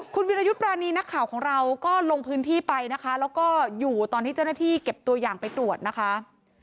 คุณวิรยุทธ์ปรานีนักข่าวของเราก็ลงพื้นที่ไปนะคะแล้วก็อยู่ตอนที่เจ้าหน้าที่เก็บตัวอย่างไปตรวจนะคะ